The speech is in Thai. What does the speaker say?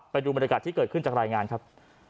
ไปดูบรรยากาศที่เกิดขึ้นจากรายงานครับ